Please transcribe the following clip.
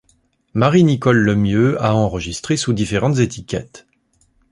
Marie-Nicole Lemieux a enregistré sous différentes étiquettes.